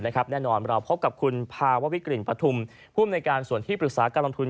แน่นอนเราพบกับคุณภาววิกลิ่นปฐุมภูมิในการส่วนที่ปรึกษาการลงทุน